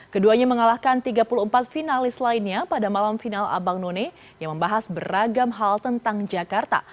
keduanya mengalahkan tiga puluh empat finalis lainnya pada malam final abang none yang membahas beragam hal tentang jakarta